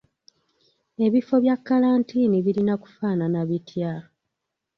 Ebifo bya kkalantiini birina kufaanana bitya?